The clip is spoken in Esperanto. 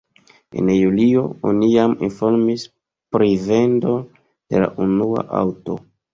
En julio oni jam informis pri vendo de la unua aŭto.